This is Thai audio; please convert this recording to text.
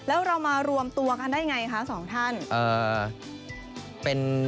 แล้วเรามารวมตัวกันได้ไงคะสองท่าน